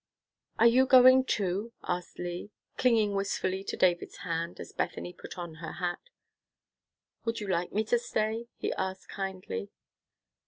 "Are you going, too?" asked Lee, clinging wistfully to David's hand, as Bethany put on her hat. "Would you like me to stay?" he asked, kindly.